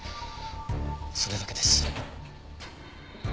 それだけです。